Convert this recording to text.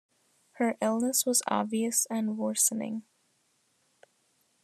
Her illness was obvious and worsening.